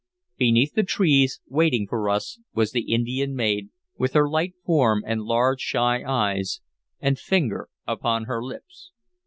Beneath the trees, waiting for us, was the Indian maid, with her light form, and large, shy eyes, and finger upon her lips.